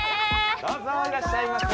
どうぞいらっしゃいませ。